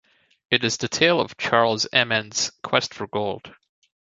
It is the tale of Charles Amand's quest for gold.